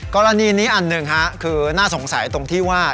กรณีนี้อันหนึ่งคือน่าสงสัยตรงที่ว่า